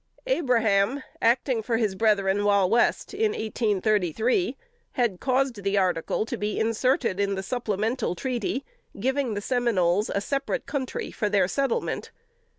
_" Abraham, acting for his brethren while West, in 1833, had caused the article to be inserted in the supplemental treaty, giving the Seminoles a separate country for their settlement.